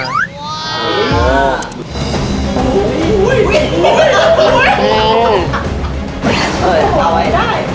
เอาไว้ได้